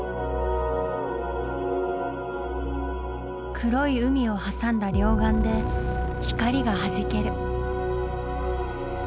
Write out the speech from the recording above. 黒い海を挟んだ両岸で光がはじける。